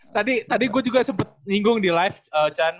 tadi tadi gue juga sempet ninggung di live chan